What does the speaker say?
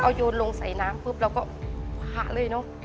ก็เอายนต์ลงใส่น้ำเราก็หาเลยเนอะ